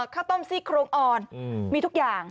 ข้าวต้มซี่โครงอ่อนมีทุกอย่าง